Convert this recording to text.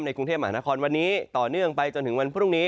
กรุงเทพมหานครวันนี้ต่อเนื่องไปจนถึงวันพรุ่งนี้